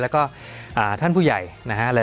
แล้วก็ท่านผู้ใหญ่นะฮะ